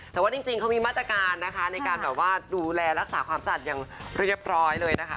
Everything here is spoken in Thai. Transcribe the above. แต่ว่าจริงเขามีมาตรการนะคะในการแบบว่าดูแลรักษาความสะอาดอย่างเรียบร้อยเลยนะคะ